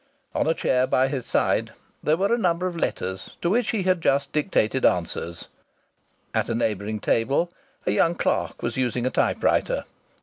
On a chair by his side were a number of letters to which he had just dictated answers. At a neighbouring table a young clerk was using a typewriter.